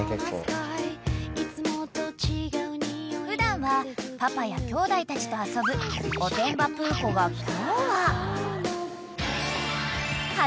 ［普段はパパやきょうだいたちと遊ぶおてんばぷーこが今日は］［挑戦］